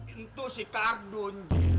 itu si kardun ji